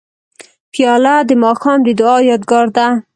پیاله د ماښام د دعا یادګار ده.